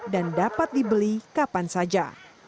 dan dapat dibeli kapan saja